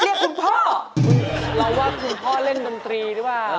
เราว่าคุณพ่อเล่นดนตรีดูว่ะ